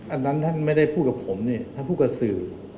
อันนั้นท่านไม่ได้พูดกับผมนี่ท่านพูดกับสื่อ